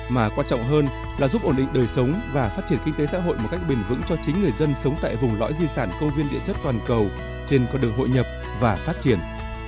mà quan trọng hơn là giúp ổn định đời sống và phát triển kinh tế xã hội một cách bền vững cho chính người dân sống tại vùng lõi di sản công viên địa chất toàn cầu trên con đường hội nhập và phát triển